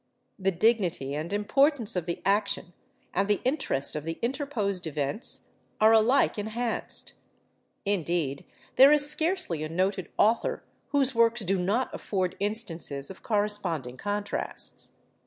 The dignity and importance of the action, and the interest of the interposed events, are alike enhanced. Indeed, there is scarcely a noted author whose works do not afford instances of corresponding contrasts.